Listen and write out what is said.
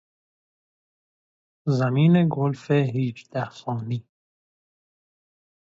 زمین گلف هیجده خانی